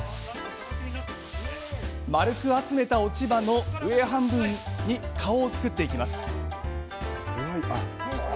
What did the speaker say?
丸く集めた落ち葉の上半分に顔を作っていきます。